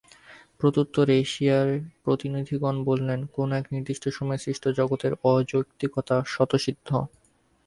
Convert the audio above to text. প্রত্যুত্তরে এশিয়ার প্রতিনিধিগণ বলেন, কোন এক নির্দিষ্ট সময়ে সৃষ্ট জগতের অযৌক্তিকতা স্বতঃসিদ্ধ।